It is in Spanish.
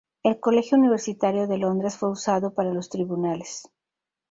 El Colegio Universitario de Londres fue usado para los tribunales.